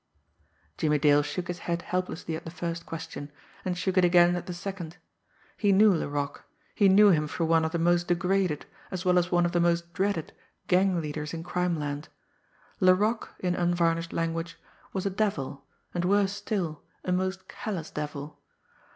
Jimmie Dale shook his head helplessly at the first question and shook it again at the second. He knew Laroque he knew him for one of the most degraded, as well as one of the most dreaded, gang leaders in crimeland. Laroque, in unvarnished language, was a devil, and, worse still, a most callous devil.